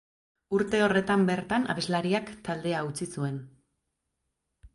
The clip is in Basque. Urte horretan bertan, abeslariak taldea utzi zuen.